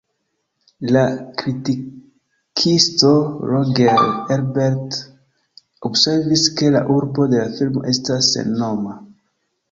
La kritikisto Roger Ebert observis ke la urbo de la filmo estas sennoma.